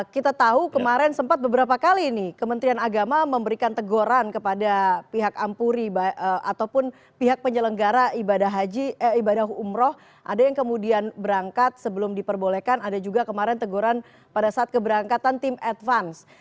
kita tahu kemarin sempat beberapa kali nih kementerian agama memberikan teguran kepada pihak ampuri ataupun pihak penyelenggara ibadah haji eh ibadah umroh ada yang kemudian berangkat sebelum diperbolehkan ada juga kemarin teguran pada saat keberangkatan tim advance